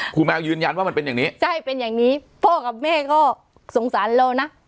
แมวยืนยันว่ามันเป็นอย่างนี้ใช่เป็นอย่างนี้พ่อกับแม่ก็สงสารเรานะ